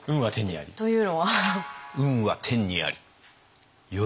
というのは？